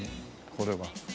これは。